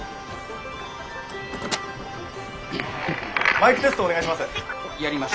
マイクテストお願いします。